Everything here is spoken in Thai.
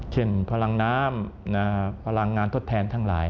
พลังน้ำพลังงานทดแทนทั้งหลาย